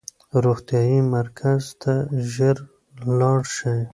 روغتیايي مرکز ته ژر لاړ شئ.